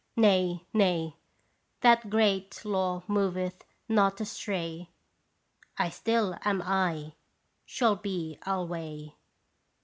Nay, nay, That great law moveth not astray, I still am /, shall be alway